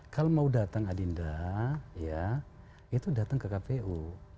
kalau mau datang adinda ya itu datang ke kpu